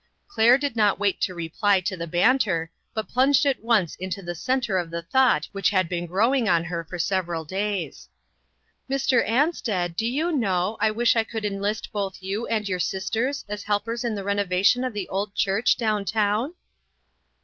Claire did not wait to reply to the ban ter, but plunged at once into the centre of the thought which had been growing on her for several days. "Mr. Ansted, do you know, I wish I could enlist both you and your sisters as helpers in the renovation of the old church down town?"